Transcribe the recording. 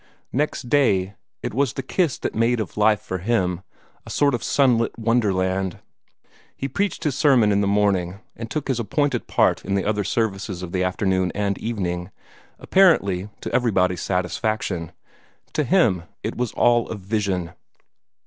Next day, it was the kiss that made of life for him a sort of sunlit wonderland. He preached his sermon in the morning, and took his appointed part in the other services of afternoon and evening, apparently to everybody's satisfaction: to him it was all a vision.